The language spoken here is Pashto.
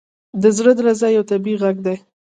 • د زړه درزا یو طبیعي ږغ دی.